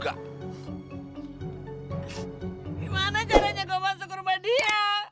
gimana caranya gue masuk ke rumah dia